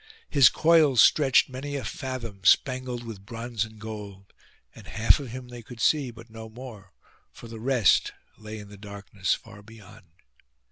His coils stretched many a fathom, spangled with bronze and gold; and half of him they could see, but no more, for the rest lay in the darkness far beyond.